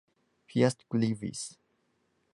Piast Gliwice